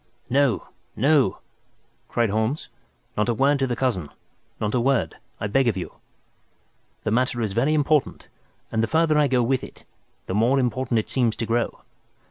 "No, no," cried Holmes, "not a word to the cousin—not a word, I beg of you. The matter is very important, and the farther I go with it, the more important it seems to grow.